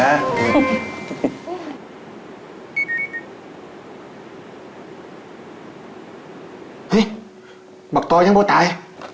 เฮ้ยบัคตอหรือยังบ่ตาย